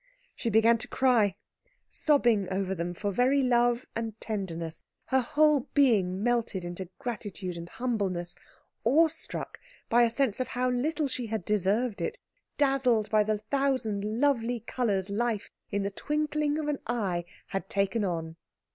She began to cry, sobbing over them for very love and tenderness, her whole being melted into gratitude and humbleness, awestruck by a sense of how little she had deserved it, dazzled by the thousand lovely colours life, in the twinkling of an eye, had taken on.